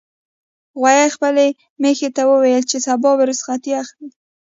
غویي خپلې میښې ته وویل چې سبا به رخصتي اخلي.